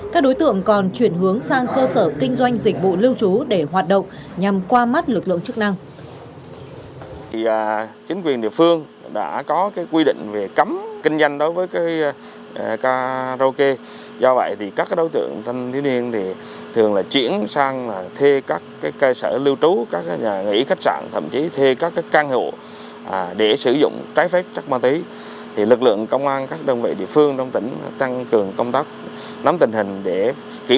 các đối tượng còn chuyển hướng sang cơ sở kinh doanh dịch vụ lưu trú để hoạt động nhằm qua mắt lực lượng chức năng